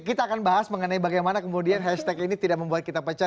kita akan bahas mengenai bagaimana kemudian hashtag ini tidak membuat kita pecah